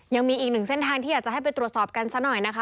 ยังมีอีกหนึ่งเส้นทางที่อยากจะให้ไปตรวจสอบกันซะหน่อยนะคะ